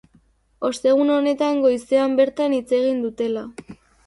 Ostegun honetan goizean bertan hitzegin dutela.